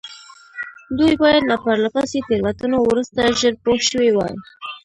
دوی باید له پرله پسې تېروتنو وروسته ژر پوه شوي وای.